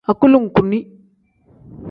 Agulonguni.